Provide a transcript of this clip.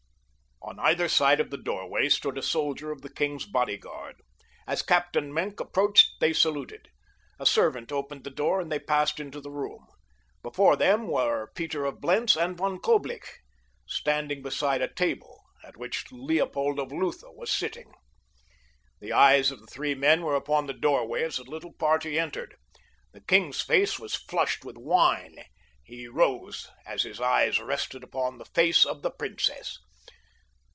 On either side of the doorway stood a soldier of the king's bodyguard. As Captain Maenck approached they saluted. A servant opened the door and they passed into the room. Before them were Peter of Blentz and Von Coblich standing beside a table at which Leopold of Lutha was sitting. The eyes of the three men were upon the doorway as the little party entered. The king's face was flushed with wine. He rose as his eyes rested upon the face of the princess.